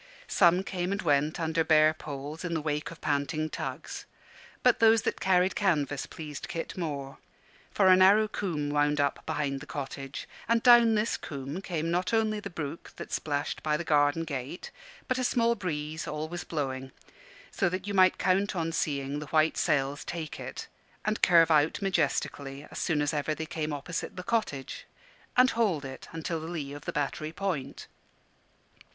Some came and went under bare poles in the wake of panting tugs; but those that carried canvas pleased Kit more. For a narrow coombe wound up behind the cottage, and down this coombe came not only the brook that splashed by the garden gate, but a small breeze, always blowing, so that you might count on seeing the white sails take it, and curve out majestically as soon as ever they came opposite the cottage, and hold it until under the lee of the Battery Point.